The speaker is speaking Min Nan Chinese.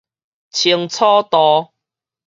清楚度